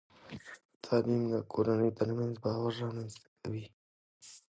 تعلیم د کورنۍ ترمنځ باور رامنځته کوي.